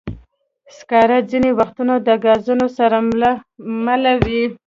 سکاره ځینې وختونه د ګازونو سره مله وي.